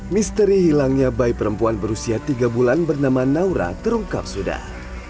misteri hilangnya bayi perempuan berusia tiga bulan bernama naura terungkap sudah